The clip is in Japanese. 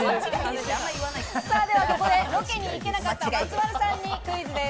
では、ここでロケに行けなかった松丸さんにクイズです。